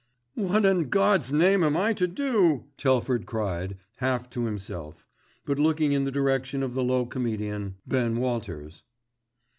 "What in God's name am I to do?" Telford cried, half to himself; but looking in the direction of the low comedian, Ben Walters.